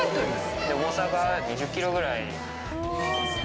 重さが２０ｋｇぐらい。